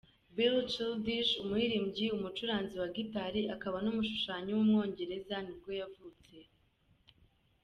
Billy Childish, umuririmbyi, umucuranzi wa guitar, akaba n’umushushanyi w’umwongereza nibwo yavutse.